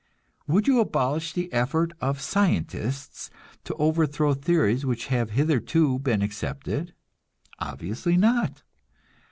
Would you abolish the effort of scientists to overthrow theories which have hitherto been accepted? Obviously not.